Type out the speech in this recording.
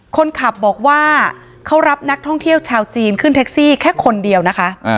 คนขับบอกว่าเขารับนักท่องเที่ยวชาวจีนขึ้นแท็กซี่แค่คนเดียวนะคะ